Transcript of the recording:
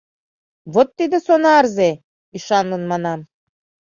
— Вот тиде сонарзе! — ӱшанлын манам.